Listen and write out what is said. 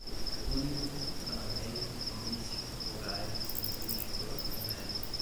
púnico, cananeia, fenício, vogais, linguística, Homero